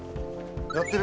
やってる。